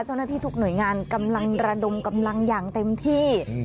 เจ้าหน้าที่ทุกหน่วยงานกำลังระดมกำลังอย่างเต็มที่